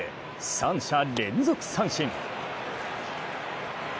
３者連続三振。